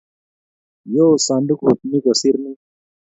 Yoo sandukut ni kosir nin